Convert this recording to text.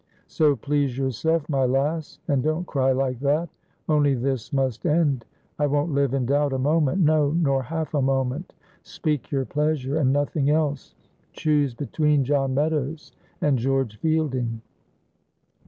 So please yourself, my lass, and don't cry like that; only this must end. I won't live in doubt a moment, no, nor half a moment. Speak your pleasure and nothing else; choose between John Meadows and George Fielding."